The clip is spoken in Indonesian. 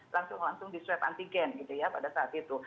langsung langsung disweb antigen gitu ya pada saat itu